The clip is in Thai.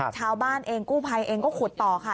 ชาวบ้านเองกู้ภัยเองก็ขุดต่อค่ะ